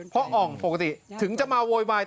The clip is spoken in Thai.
เพราะอ่องปกติถึงจะมาโวยวาย